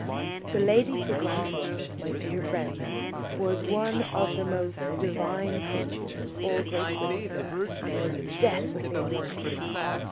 The Lady Fragrantia, my dear friends, was one of the most divine creatures in all Great Britain, and was desperately in love with me.